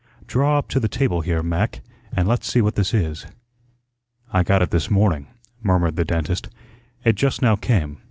"Draw up to the table here, Mac, and let's see what this is." "I got it this morning," murmured the dentist. "It just now came.